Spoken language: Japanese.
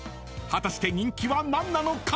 ［果たして人気は何なのか？］